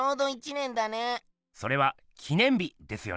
それは「記念日」ですよね。